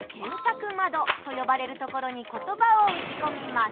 窓とよばれるところに言葉を打ちこみます。